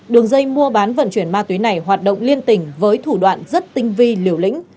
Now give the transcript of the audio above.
đường dây mua bán vận chuyển ma túy này hoạt động liên tỉnh với thủ đoạn rất tinh vi liều lĩnh